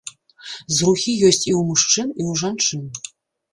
Зрухі ёсць і ў мужчын, і ў жанчын.